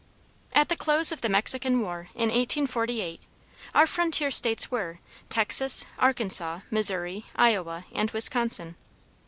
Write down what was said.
At the close of the Mexican War in 1848, our frontier States were, Texas, Arkansas, Missouri, Iowa, and Wisconsin.